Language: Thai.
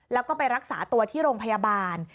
แล้วก็ไปรักษาตัวที่โรงพยาบาล